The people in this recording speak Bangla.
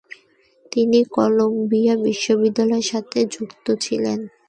তিনি কলম্বিয়া বিশ্ববিদ্যালয়ের সাথে যুক্ত ছিলেন।